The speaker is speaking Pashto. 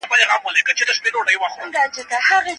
حرام مال د انسان برکت ختموي.